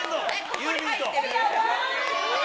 ユーミンと？